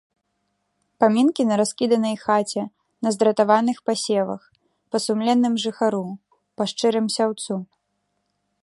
Памінкі на раскіданай хаце, на здратаваных пасевах, па сумленным жыхару, па шчырым сяўцу!